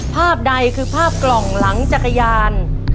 ภาพใดคือภาพกล่องหลังจักรยาน